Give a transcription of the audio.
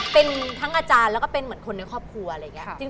เป็นทั้งอาจารย์แล้วก็เป็นเหมือนคนในครอบครัวอะไรอย่างนี้